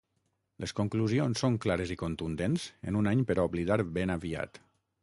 Les conclusions són clares i contundents en un any per a oblidar ben aviat.